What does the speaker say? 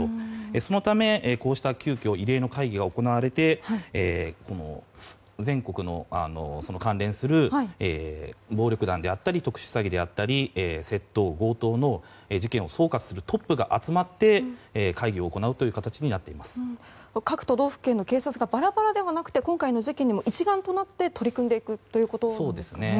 そのため、こうした急きょ異例の会議が行われて全国の関連する暴力団であったり特殊詐欺であったり窃盗・強盗の事件を総括するトップが集まって各都道府県の警察がバラバラではなくて今回の事件に一丸となって取り組んでいくということですね。